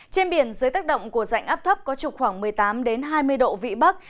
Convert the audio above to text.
trên biển dưới tác động của dạnh áp thấp có trục khoảng một mươi tám hai mươi độ vị bắc